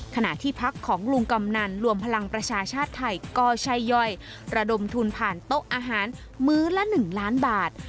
ขณะที่พักของลุงกำนันรวมพลังประชาชาติไทยก็ใช่ย่อยระดมทุนผ่านโต๊ะอาหารมื้อละ๑ล้านบาท